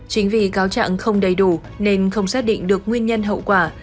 chính vì cáo trạng không đầy đủ nên không xác định được nguyên nhân hậu quả